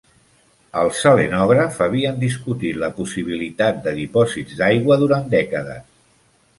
Els selenògraf havien discutit la possibilitat de dipòsits d'aigua durant dècades.